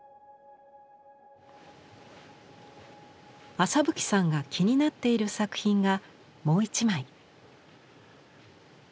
朝吹さんが気になっている作品がもう一枚。